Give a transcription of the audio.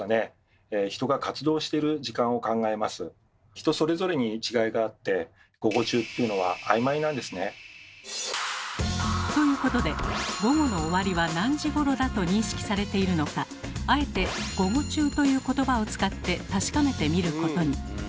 人それぞれに違いがあってということで午後の終わりは何時ごろだと認識されているのかあえて「午後中」という言葉を使って確かめてみることに。